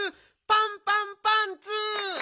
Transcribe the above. パンパンパンツー！